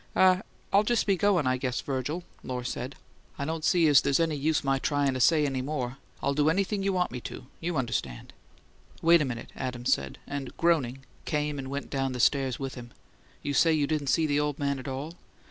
"Ah I'll just be goin', I guess, Virgil," Lohr said. "I don't see as there's any use my tryin' to say any more. I'll do anything you want me to, you understand." "Wait a minute," Adams said, and, groaning, came and went down the stairs with him. "You say you didn't see the old man at all?"